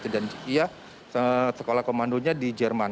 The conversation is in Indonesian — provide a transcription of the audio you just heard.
dan ia sekolah komandonya di jerman